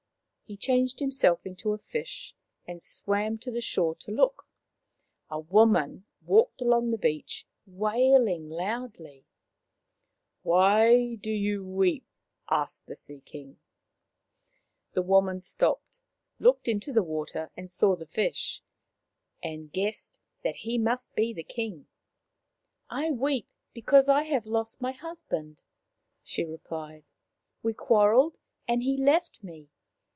He changed himself into a fish and swam to the shore to look. A woman walked along the beach, wailing loudly. " Why do you weep ?" asked the Sea king. The woman stopped, looked into the water and saw the fish, and guessed that he must be the king. " I weep because I have lost my husband," she replied. " We quarrelled, and he left me.